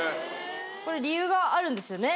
理由があるんですよね？